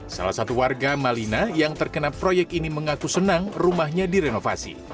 salah satu warga malina yang terkena proyek ini mengaku senang rumahnya direnovasi